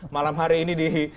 malam hari ini di